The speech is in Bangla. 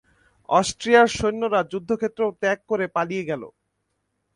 অস্ট্রিয়ার সৈন্যরা যুদ্ধক্ষেত্র ত্যাগ করে পালিয়ে গেল।